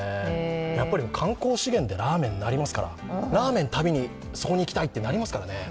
やっぱり観光資源にラーメンはなりますから、ラーメン食べにそこに行きたいとなりますからね。